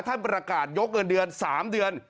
ท่านประกาศยกเงินเดือน๓เดือน